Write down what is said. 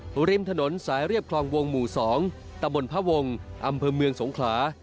ริมถนนสายเรียบคลองวงหมู่๒ตะบนพระวงศ์อำเภอเมืองสงขลา